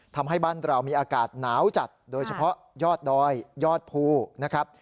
ทำให้บ้านเรามีอากาศหนาวจัดโดยเฉพาะยอดดอยยอดภูนะครับ